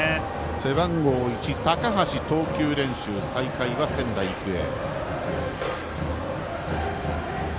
背番号１、高橋投球練習再開は、仙台育英。